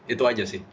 itu aja sih